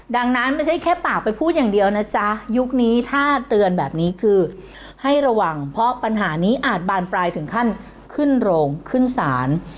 ดังนั้นไม่ใช่แค่ปากไปพูดอย่างเดียวนะจ๊ะยุคนี้ถ้าเตือนแบบนี้คือให้ระวังเพราะปัญหานี้อาจบานปลายถึงขั้นขึ้นโรงขึ้นศาล